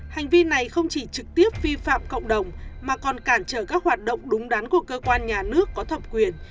hành vi này không chỉ trực tiếp vi phạm cộng đồng mà còn cản trở các hoạt động đúng đắn của cơ quan nhà nước có thẩm quyền